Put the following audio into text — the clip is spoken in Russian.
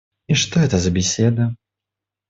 И что это за беседа?